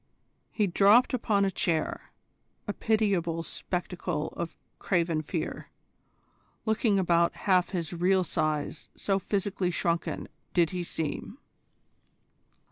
He dropped upon a chair, a pitiable spectacle of craven fear, looking about half his real size so physically shrunken did he seem.